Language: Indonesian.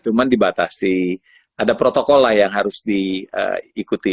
cuma dibatasi ada protokol lah yang harus diikuti